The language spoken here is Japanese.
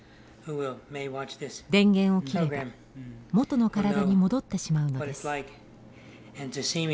電源を切れば元の体に戻ってしまうのです。